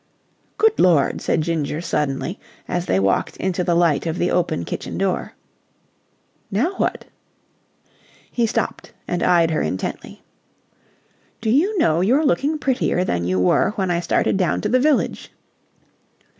"Good Lord!" said Ginger suddenly, as they walked into the light of the open kitchen door. "Now what?" He stopped and eyed her intently. "Do you know you're looking prettier than you were when I started down to the village!"